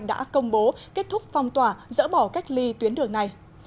đã công bố kết thúc phong tỏa dỡ bỏ cách ly tuyến đường này